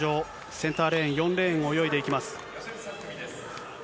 センターレーン、４レーンを泳いでいきます。